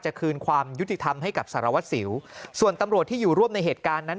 คืนความยุติธรรมให้กับสารวัตรสิวส่วนตำรวจที่อยู่ร่วมในเหตุการณ์นั้น